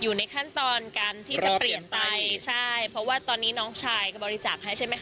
อยู่ในขั้นตอนการที่จะเปลี่ยนไปใช่เพราะว่าตอนนี้น้องชายก็บริจาคให้ใช่ไหมค